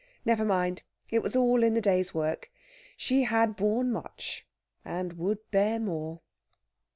Never mind it was all in the day's work! She had borne much, and would bear more.